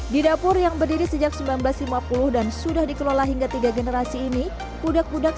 di dapur yang berdiri sejak seribu sembilan ratus lima puluh dan sudah dikelola hingga tiga generasi ini pudak pudak